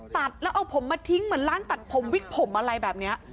ตัดแล้วเอาผมมาทิ้งเหมือนร้านตัดผมวิกผมอะไรแบบนี้